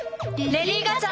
レディー・ガチャ！